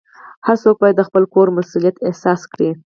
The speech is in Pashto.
هر څوک باید د خپل کور مسؤلیت احساس کړي.